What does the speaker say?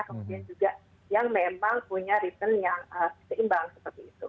kemudian juga yang memang punya return yang seimbang seperti itu